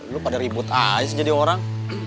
lu pada ribut aja jadi orang